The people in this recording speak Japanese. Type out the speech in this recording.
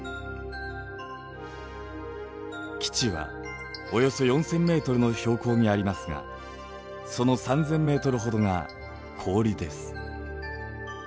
基地はおよそ４，０００ｍの標高にありますがその３，０００ｍほどが氷です。